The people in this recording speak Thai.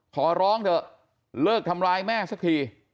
ขอร้องเถอะเลิกทำร้ายแม่สักที